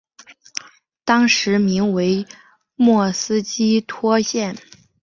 当时名为莫斯基托县。